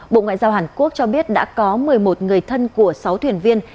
bộ ngoại giao hàn quốc cho biết đã có một mươi một người thân của sáu thuyền viên